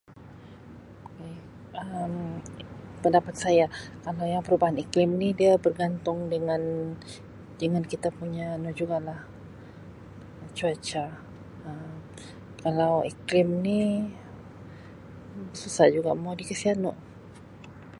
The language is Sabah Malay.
baik Um pendapat saya kalau yang perubahan iklim dia bergantung dengan-dengan kita punya anu jugalah cuaca Um kalau iklim susah juga mau dikasi anu